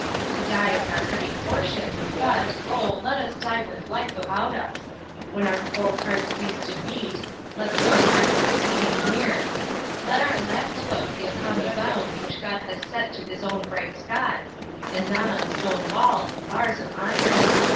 To die is our heavy portion, but, oh, let us die with life about us; when our cold hearts cease to beat, let warm hearts be beating near; let our last look be upon the bounds which God has set to his own bright skies, and not on stone walls and bars of iron!